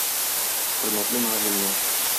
Хөрмәтле мөгаллимнәр!